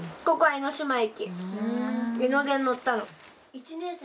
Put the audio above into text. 江ノ電乗ったの。